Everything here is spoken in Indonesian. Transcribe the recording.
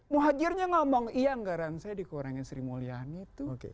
muhajirnya ngomong iya garansi dikurangi sri mulyani itu